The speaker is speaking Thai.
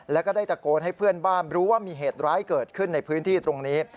แล้วก็ได้ตะโกนให้เพื่อนบ้านรู้ว่ามีเหตุร้ายเกิดขึ้นในพื้นที่ตรงนี้